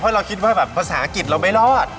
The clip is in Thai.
เพราะเราคิดว่าแบบภาษาอังกฤษเราไม่รอด